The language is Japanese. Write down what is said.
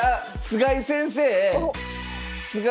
菅井先生と？